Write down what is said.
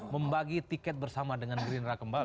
membagi tiket bersama dengan gerindra kembali